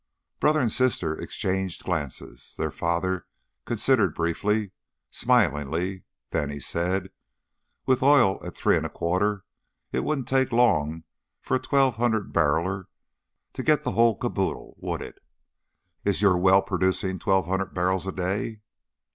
Brother and sister exchanged glances; the father considered briefly, smilingly, then he said, "With oil at three an' a quarter, it wouldn't take long for a twelve hundred bar'ler to get the hull caboodle, would it?" "Is your well producing twelve hundred barrels a day?"